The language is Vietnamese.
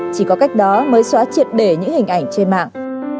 chỉ có cách đó mới xóa triệt đề những hình ảnh trên mạng